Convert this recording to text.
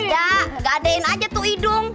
aja gadein aja tuh hidung